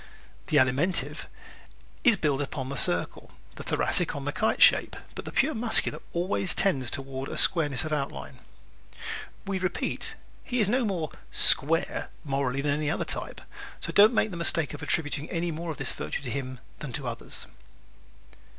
The Alimentive is built upon the circle, the Thoracic on the kite shape but the pure Muscular always tends toward a squareness of outline. We repeat, he is no more "square" morally than any other type, so do not make the mistake of attributing any more of this virtue to him than to others.